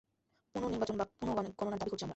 পুনঃনির্বাচন বা পুনঃগণনার দাবি করছি আমরা।